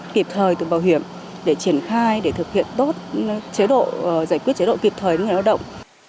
mời từ bảo hiểm để triển khai để thực hiện tốt chế độ giải quyết chế độ kịp thời người lao động